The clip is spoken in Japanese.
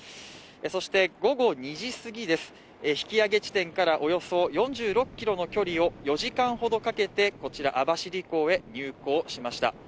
そして午後２時すぎです、引き揚げ地点からおよそ４６ｋｍのこちら、網走港へ入港しました。